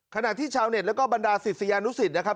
ขณะที่ชาวเน็ตแล้วก็บรรดาศิษยานุสิตนะครับ